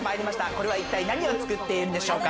これは何を作っているんでしょうか？